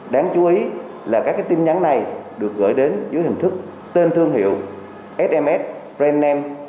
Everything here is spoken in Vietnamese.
đáng chú ý là các tin nhắn này được gửi đến dưới hình thức tên thương hiệu sms brand name